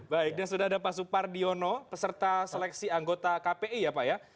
baik dan sudah ada pak supardiono peserta seleksi anggota kpi ya pak ya